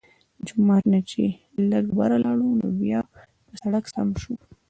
د جومات نه چې لږ بره لاړو نو بيا پۀ سړک سم شو